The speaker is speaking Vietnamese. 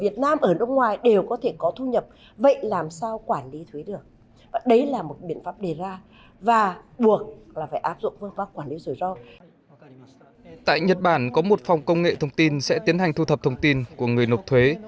tại nhật bản có một phòng công nghệ thông tin sẽ tiến hành thu thập thông tin của người nộp thuế